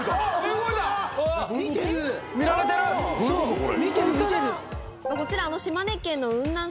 これ。